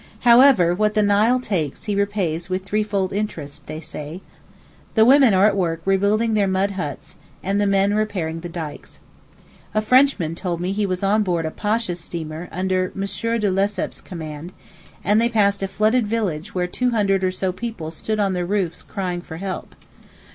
However what the Nile takes he repays with threefold interest, they say. The women are at work rebuilding their mud huts, and the men repairing the dykes. A Frenchman told me he was on board a Pasha's steamer under M. de Lesseps' command, and they passed a flooded village where two hundred or so people stood on their roofs crying for help.